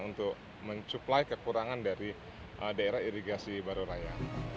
untuk mencuplai kekurangan dari daerah irigasi baro raya